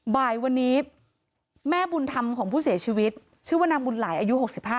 บ่ายวันนี้แม่บุญธรรมของผู้เสียชีวิตชื่อว่านางบุญหลายอายุ๖๕